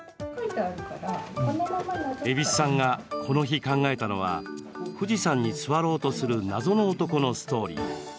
蛭子さんが、この日考えたのは富士山に座ろうとする謎の男のストーリー。